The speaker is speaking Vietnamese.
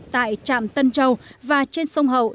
tại trạm tân châu và trên sông hậu